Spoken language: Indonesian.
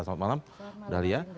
selamat malam dahlia